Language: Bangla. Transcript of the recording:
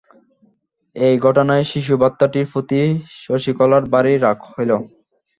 এই ঘটনায় শিশু ভ্রাতাটির প্রতি শশিকলার ভারি রাগ হইল।